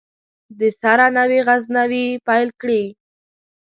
دسره نوي غزونې پیل کړي